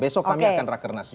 besok kami akan rakernas